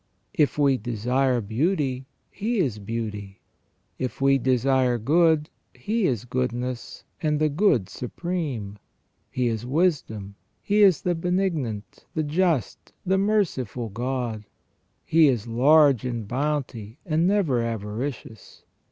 If we desire beauty, He is beauty. If we desire good, He is goodness, and the Good Supreme. He is wisdom, He is the benignant, the just, the merciful God. He is large in bounty, and never avaricious.